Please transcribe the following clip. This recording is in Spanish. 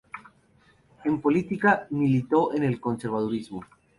En política, militó en el conservadurismo.